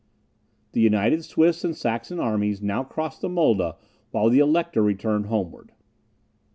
The united Swedish and Saxon armies now crossed the Mulda, while the Elector returned homeward.